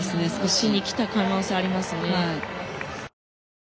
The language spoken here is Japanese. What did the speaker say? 足に来た可能性がありますね。